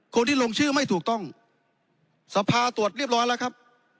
คนที่ลงชื่อไม่ถูกต้องสภาตรวจเรียบร้อยแล้วครับ